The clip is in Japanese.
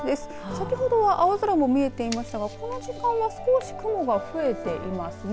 先ほどは青空も見えていましたがこの時間は少し雲が増えていますね。